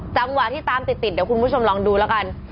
จังหวะที่ตามติดเดี๋ยวคุณผู้ชมลองดูแล้วกัน